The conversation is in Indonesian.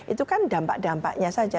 itu kan dampak dampaknya saja